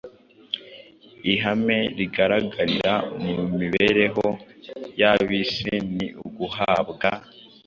Ihame rigaragarira mu mibereho y’ab’isi ni uguhabwa.